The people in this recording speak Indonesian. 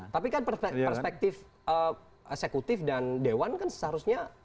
tapi kan perspektif eksekutif dan dewan kan seharusnya